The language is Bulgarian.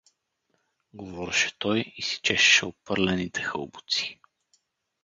— говореше той и си чешеше опърлените хълбоци.